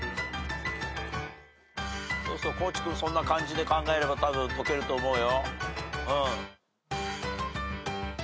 そうそう地君そんな感じで考えればたぶん解けると思うよ。